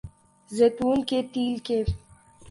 زیتون کے تیل کے